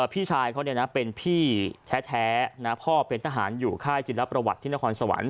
พี่ชายเขาเป็นพี่แท้พ่อเป็นทหารอยู่ค่ายจิลประวัติที่นครสวรรค